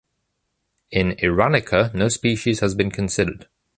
In “Iranica” no species has been considered.